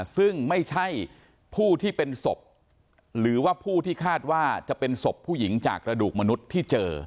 ซึ่งไม่ใช่ผู้ที่เป็นศพหรือว่าผู้ที่คาดว่าจะเป็นศพผู้หญิงจากกระดูกมนุษย์ที่เจอ